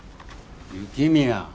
雪宮！